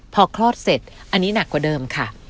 พอคลอดเสร็จอันนี้หนักกว่าเดิมค่ะ